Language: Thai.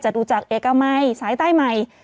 จากอุจักรเอกไมฯซ้ายใต้ใหม่